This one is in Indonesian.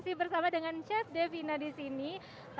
oke kepada mulut